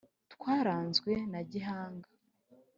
twarazwe na gihanga